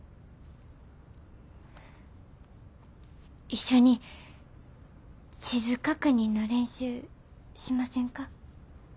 一緒に地図確認の練習しませんか？